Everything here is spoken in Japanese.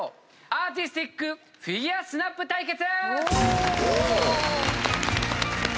アーティスティックフィギュアスナップ対決！